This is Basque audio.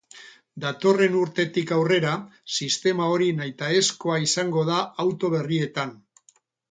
Datorren urtetik aurrera sistema hori nahitaezkoa izango da auto berrietan.